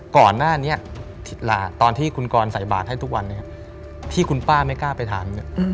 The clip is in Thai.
ก่อนหน้านี้ตอนที่คุณกรใส่บาทให้ทุกวันที่คุณป้าไม่กล้าไปถาม